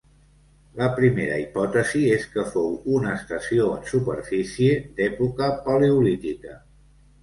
La primera hipòtesi és que fou una estació en superfície d'època paleolítica.